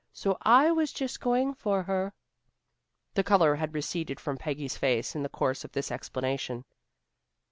So I was just going for her." The color had receded from Peggy's face in the course of this explanation.